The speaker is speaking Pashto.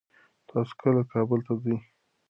تاسو کله کابل ته ځئ؟